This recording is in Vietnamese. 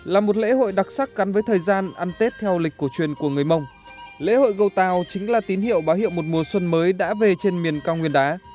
là một lễ hội đặc sắc gắn với thời gian ăn tết theo lịch cổ truyền của người mông lễ hội go tàu chính là tín hiệu báo hiệu một mùa xuân mới đã về trên miền cao nguyên đá